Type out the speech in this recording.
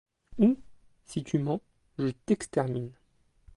Où? si tu mens, je t’extermine.